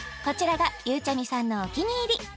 こちらがゆうちゃみさんのお気に入り